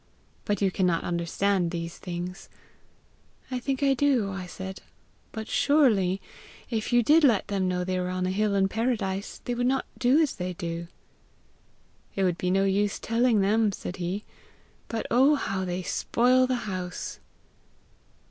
But you cannot understand these things.' 'I think I do,' I said; 'but surely, if you did let them know they were on a hill in paradise, they would not do as they do!' 'It would be no use telling them,' said he; 'but, oh, how they spoil the house!'